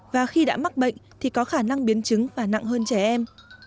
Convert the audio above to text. và khi đã mắc bệnh thì có khả năng biến chứng và nặng hơn trẻ em